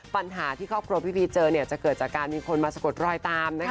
ปัญหาที่ครอบครัวพี่พีชเจอจะเกิดจากการมีคนมาสะกดรอยตาม